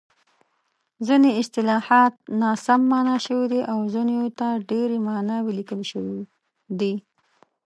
ځیني اصطلاحات ناسم مانا شوي دي او ځینو ته ډېرې ماناوې لیکل شوې دي.